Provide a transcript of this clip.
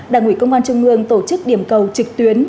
đảng ủy công an trung ương tổ chức điểm cầu trực tuyến